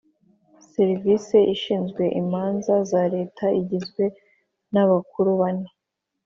Serivisi ishinzwe imanza za Leta igizwe n’abakuru bane